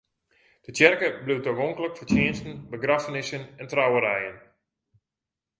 De tsjerke bliuwt tagonklik foar tsjinsten, begraffenissen en trouwerijen.